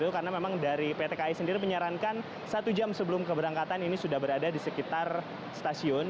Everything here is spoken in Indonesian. karena memang dari ptki sendiri menyarankan satu jam sebelum keberangkatan ini sudah berada di sekitar stasiun